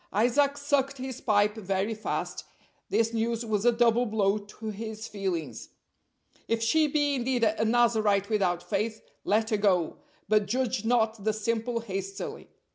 Isaac sucked his pipe very fast; this news was a double blow to his feelings. "If she be indeed a Nazarite without faith, let her go; but judge not the simple hastily.